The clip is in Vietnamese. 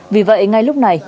vì vậy ngay lúc này